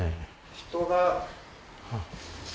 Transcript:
人が。